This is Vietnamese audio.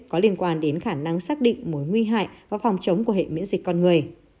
có liên quan đến khả năng xác định mối nguy hại và phòng chống của hệ miễn dịch con người